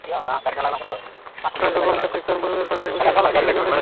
তাই ভগবান কার্তিক তার ময়ূরের পাখায় বসে পুরো পৃথিবী ঘুরে বেড়িয়েছেন।